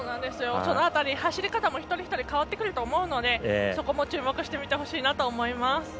その辺り、走り方も一人一人変わってくると思うのでそこも注目して見てほしいなと思います。